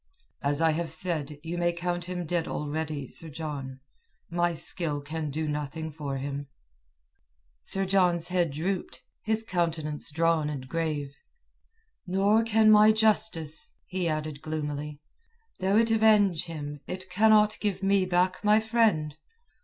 "As I have said, you may count him dead already, Sir John. My skill can do nothing for him." Sir John's head drooped, his countenance drawn and grave. "Nor can my justice," he added gloomily. "Though it avenge him, it cannot give me back my friend."